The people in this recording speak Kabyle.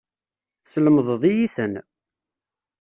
Teslemdeḍ-iyi-ten.